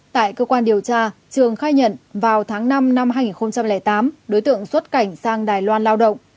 tại cơ quan điều tra trường khai nhận vào tháng năm năm hai nghìn tám đối tượng xuất cảnh sang đài loan lao động